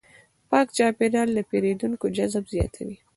پاک چاپېریال د پیرودونکو جذب زیاتوي.